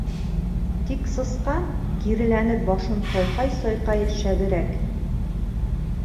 Тик Сысҡан, киреләнеп, башын сайҡай-сайҡай шәберәк